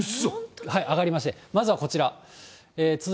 上がりまして、まずはこちら。